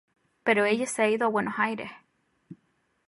Pero ella se ha ido a Buenos Aires.